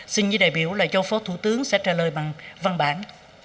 xin với đại biểu là cho phó thủ tướng sẽ trả lời bằng văn bản